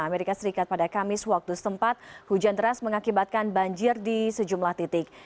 amerika serikat pada kamis waktu setempat hujan deras mengakibatkan banjir di sejumlah titik